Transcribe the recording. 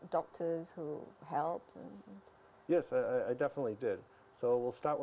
dan apa jenis tantangan yang kamu hadapi